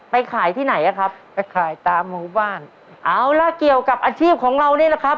ขายที่ไหนอ่ะครับไปขายตามหมู่บ้านเอาล่ะเกี่ยวกับอาชีพของเรานี่แหละครับ